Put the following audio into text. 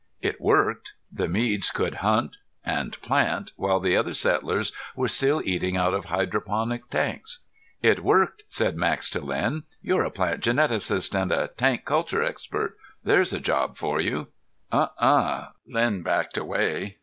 It worked. The Meads could hunt, and plant while the other settlers were still eating out of hydroponics tanks." "It worked," said Max to Len. "You're a plant geneticist and a tank culture expert. There's a job for you." "Uh uh!" Len backed away.